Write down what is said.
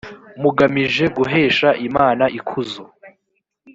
mugamije guhesha imana ikuzo